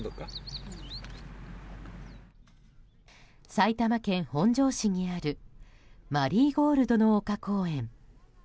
埼玉県本庄市にあるマリーゴールドの丘公園。